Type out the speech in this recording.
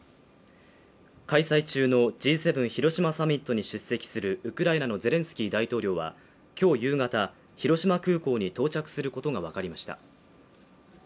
開催中のＧ７広島サミットに出席するウクライナのゼレンスキー大統領は今日夕方、広島空港に到着することがわかりました。